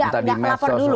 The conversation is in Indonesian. jadi enggak lapor dulu